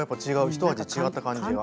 ひと味違った感じが。